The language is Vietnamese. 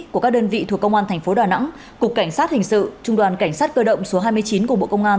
của các đơn vị thuộc công an thành phố đà nẵng cục cảnh sát hình sự trung đoàn cảnh sát cơ động số hai mươi chín của bộ công an